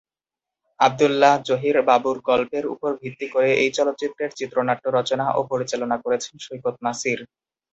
আব্দুল্লাহ জহির বাবুর গল্পের উপর ভিত্তি করে এই চলচ্চিত্রের চিত্রনাট্য রচনা ও পরিচালনা করেছেন সৈকত নাসির।